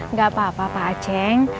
nggak apa apa pak aceh